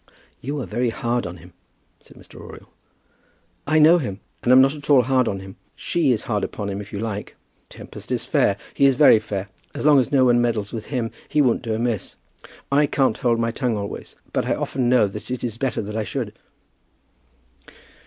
"You are very hard on him," said Mr. Oriel. "I know him; and am not at all hard on him. She is hard upon him if you like. Tempest is fair. He is very fair, and as long as no one meddles with him he won't do amiss. I can't hold my tongue always, but I often know that it is better that I should."